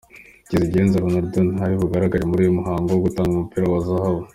Kizigenza Ronaldo ntari bugaragare muri uyu muhango wo gutanga umupira wa zahabu!.